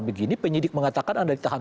begini penyidik mengatakan anda ditahan